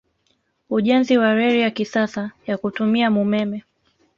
Ujenzi wa Reli ya kisasa ya kutumia mumeme